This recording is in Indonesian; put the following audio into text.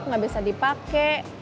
gak bisa dipake